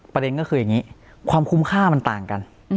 ประเด็นก็คืออย่างนี้ความคุ้มค่ามันต่างกัน